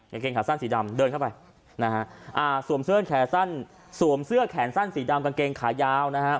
กางเกงขาสั้นสีดำเดินเข้าไปสวมเสื้อแขนสั้นสีดำกางเกงขายาว